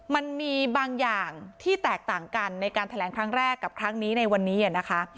มันมีบางอย่างที่แตกต่างกันในการแถลงครั้งแรกกับครั้งนี้ในวันนี้นะคะ